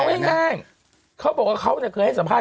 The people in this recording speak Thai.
เอาง่ายเขาบอกว่าเขาเคยให้สัมภาษ